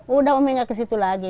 udah omega ke situ lagi